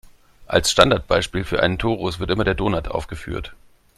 Als Standardbeispiel für einen Torus wird immer der Donut aufgeführt.